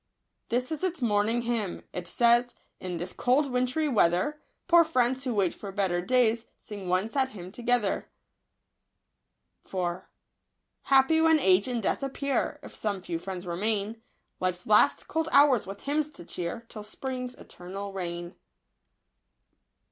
This is its morning hymn. It says, —" this cold wintry weather. Poor friends, who wait for better days, Sing one sad hymn together. Happy when age and death appear. If some few friends remain, Life's last cold hours with hymns to cheer. Till spring's eternal reign."